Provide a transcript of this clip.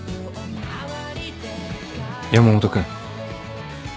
山本君。